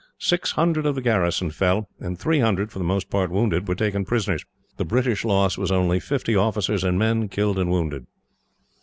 Six hundred of the garrison fell, and three hundred, for the most part wounded, were taken prisoners. The British loss was only fifty officers and men, killed and wounded.